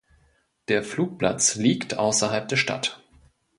Der Flugplatz liegt außerhalb der Stadt